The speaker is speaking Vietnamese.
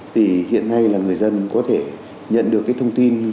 thì hiện nay là người dân có thể nhận được cái thông tin